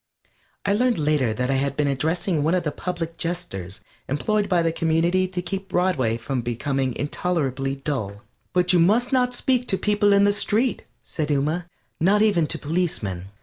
I learned later that I had been addressing one of the public jesters employed by the community to keep Broadway from becoming intolerably dull. "But you must not speak to people in the street," said Ooma, "not even to policemen."